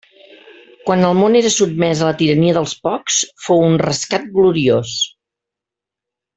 Quan el món era sotmès a la tirania dels pocs, fou un rescat gloriós.